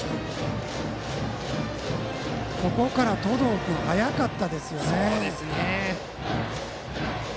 そこから登藤君が早かったですよね。